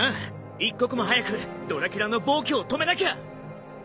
一刻も早くドラキュラの暴挙を止めなきゃ。